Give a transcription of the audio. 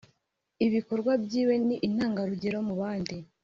Ibikorwa byiwe ni intangarugero mu bandi